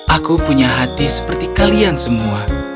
aku punya hati seperti kalian semua